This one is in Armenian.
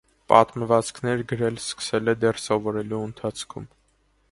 Պատմվածքներ գրել սկսել է դեռ սովորելու ընթացքում։